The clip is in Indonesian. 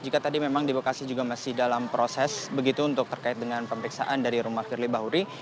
jika tadi memang di bekasi juga masih dalam proses begitu untuk terkait dengan pemeriksaan dari rumah firly bahuri